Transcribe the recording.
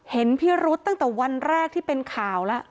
เห็นพี่รู้ตั้งแต่วันแรกจะเป็นข่าวแล้ว